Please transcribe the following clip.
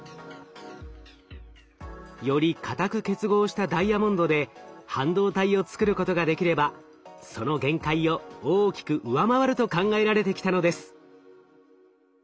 より硬く結合したダイヤモンドで半導体をつくることができればその限界を大きく上回ると考えられてきたのです。